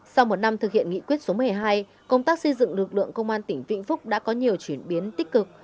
sau một năm thực hiện nghị quyết số một mươi hai công tác xây dựng lực lượng công an tỉnh vĩnh phúc đã có nhiều chuyển biến tích cực